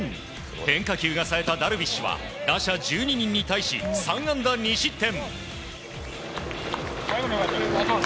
変化球がさえたダルビッシュは打者１２人に対し３安打２失点。